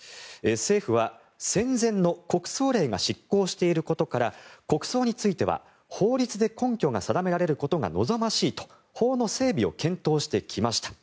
政府は戦前の国葬令が失効していることから国葬については法律で根拠が定められることが望ましいと法の整備を検討してきました。